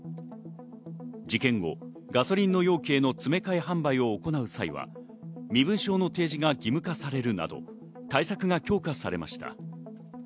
事件後、ガソリンの容器への詰め替え販売を行う際は身分証の提示が義務化されるなど、対策が強化されました。